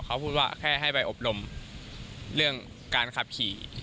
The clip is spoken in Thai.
เขาพูดว่าแค่ให้ไปอบรมเรื่องการขับขี่